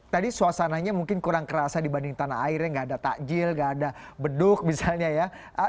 tadi suasananya mungkin kurang kerasa dibanding tanah airnya nggak ada takjil gak ada beduk misalnya ya